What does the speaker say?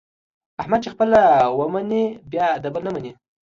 احمد چې خپله و مني بیا د بل نه مني.